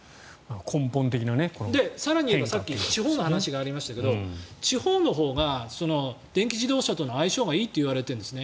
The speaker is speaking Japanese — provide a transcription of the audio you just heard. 更には地方の話もありましたけど地方のほうが電気自動車との相性がいいといわれているんです。